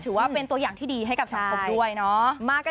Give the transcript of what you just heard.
ถือว่าเป็นตัวอย่างที่ดีให้กับสังคมด้วยเนาะ